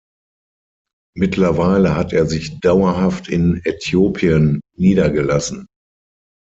Mittlerweile hat er sich dauerhaft in Äthiopien niedergelassen.